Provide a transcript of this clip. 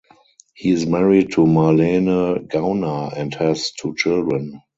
He is married to Marlene Gauna and has two children.